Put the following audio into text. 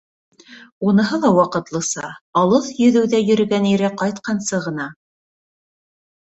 Уныһы ла ваҡытлыса, алыҫ йөҙөүҙә йөрөгән ире ҡайтҡансы ғына...